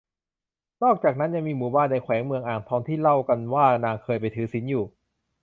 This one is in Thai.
นอกจากนั้น ยังมีหมู่บ้านในแขวงเมืองอ่างทองที่เล่ากันว่านางเคยไปถือศีลอยู่